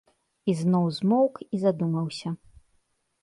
І зноў змоўк і задумаўся.